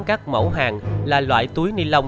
các mẫu hàng là loại túi ni lông